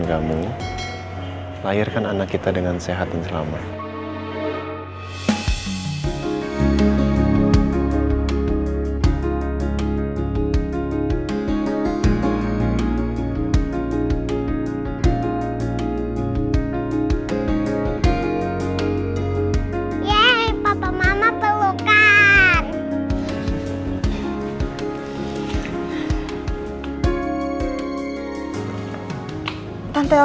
sampai jumpa di video selanjutnya